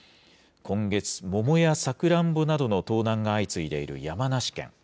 今月、桃やさくらんぼなどの盗難が相次いでいる山梨県。